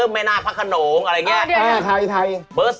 สามลักษณะภูมิอาการ